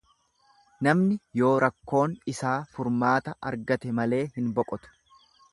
Namni yoo rakkoon isaa furmaata argate malee hin boqotu.